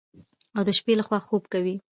او د شپې لخوا خوب کوي.